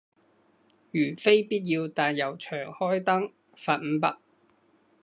如非必要但又長開燈，罰五百